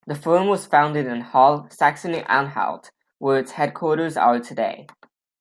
The firm was founded in Halle, Saxony-Anhalt where its headquarters are today.